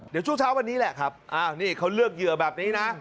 เดี๋ยวช่วงเช้าวันนี้แหละครับอ้าวนี่เขาเลือกเหยื่อแบบนี้นะ